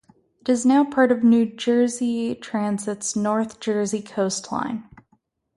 It is now part of New Jersey Transit's North Jersey Coast Line.